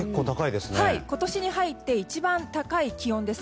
今年に入って一番高い気温です。